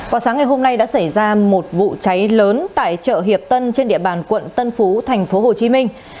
quả sáng ngày hôm nay đã xảy ra một vụ cháy lớn tại chợ hiệp tân trên địa bàn quận tân phú thành phố hồ chí minh